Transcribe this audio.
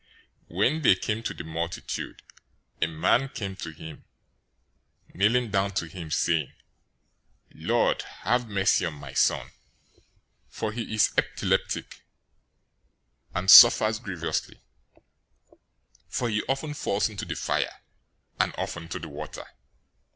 017:014 When they came to the multitude, a man came to him, kneeling down to him, saying, 017:015 "Lord, have mercy on my son, for he is epileptic, and suffers grievously; for he often falls into the fire, and often into the water.